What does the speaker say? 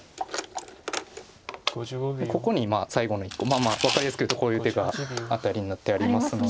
ここに今最後の１コウ分かりやすく言うとこういう手がアタリになってありますので。